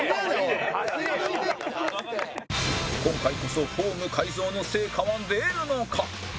今回こそフォーム改造の成果は出るのか？